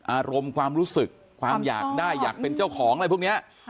อารมณ์ความรู้สึกความอยากได้อยากเป็นเจ้าของอะไรพวกนี้